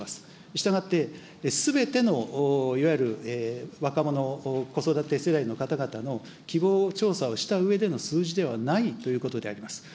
したがって、すべての、いわゆる若者、子育て世代の方々の希望を調査をしたうえでの数字ではないということであります。